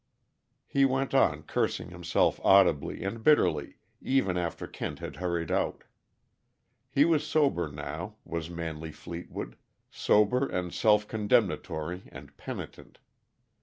He went on cursing himself audibly and bitterly, even after Kent had hurried out. He was sober now was Manley Fleetwood sober and self condemnatory and penitent.